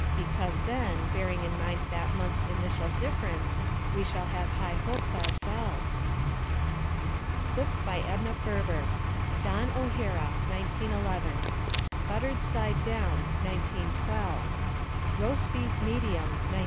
Be cause then, bearing in mind that month's initial dif ference, we shall have high hopes ourselves! BOOKS BY EDNA FERBER Dawn O'Hara, 1911. Buttered Side Down, 1912. Roast Beef Medium, 1913.